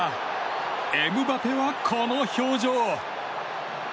エムバペは、この表情。